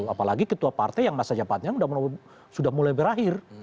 apalagi ketua partai yang masa jabatannya sudah mulai berakhir